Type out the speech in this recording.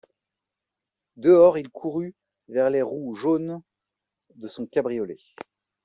Dehors, il courut vers les roues jaunes de son cabriolet.